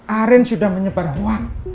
arief sudah menyebarkan hoax